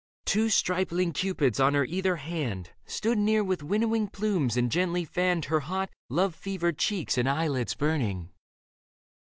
Two stripling cupids on her either hand Stood near with winnowing plumes and gently fanned Her hot, love fevered cheeks and eyelids burning.